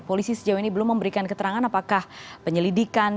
polisi sejauh ini belum memberikan keterangan apakah penyelidikan